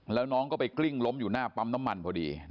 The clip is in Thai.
แล้วน้องก็ไปกลิ้งล้มอยู่หน้าปั๊มน้ำมันพอดี